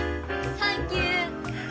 サンキュー！